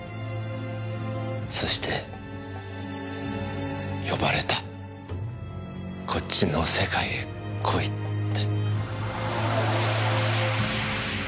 そして呼ばれたこっちの世界へ来いって。